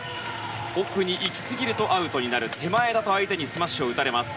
奥に行きすぎるとアウトになる手前だと相手にスマッシュを打たれます。